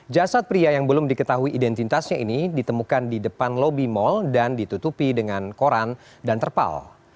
jasad pria yang belum diketahui identitasnya ini ditemukan di depan lobi mal dan ditutupi dengan koran dan terpal